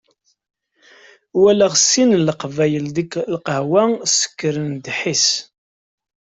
Walaɣ sin n Leqbayel deg lqahwa ssekren ddḥis.